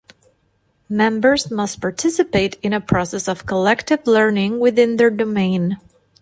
Members must participate in a process of collective learning within their domain.